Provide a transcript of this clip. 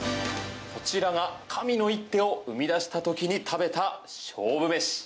こちらが神の一手を生み出した時に食べた勝負飯。